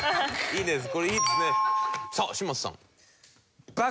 いいです。